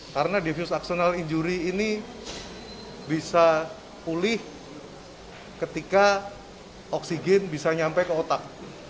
karena diffuse axonal injury ini bisa pulih ketika oksigen bisa nyampe ke otak